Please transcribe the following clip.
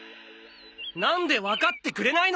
なんでわかってくれないの！